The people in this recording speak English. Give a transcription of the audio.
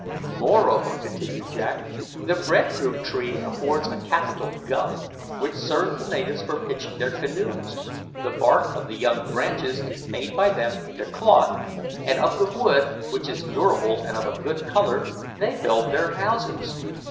"Moreover," continued Jack, "the bread fruit tree affords a capital gum, which serves the natives for pitching their canoes; the bark of the young branches is made by them into cloth; and of the wood, which is durable and of a good colour, they build their houses.